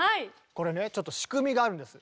これねちょっと仕組みがあるんです。